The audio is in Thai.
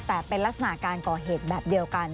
แต่เป็นลักษณะการก่อเหตุแบบเดียวกัน